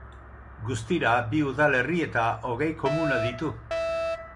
Guztira bi udalerri eta hogei komuna ditu.